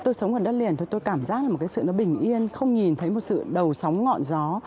tôi sống ở đất liền thôi tôi cảm giác là một cái sự nó bình yên không nhìn thấy một sự đầu sóng ngọn gió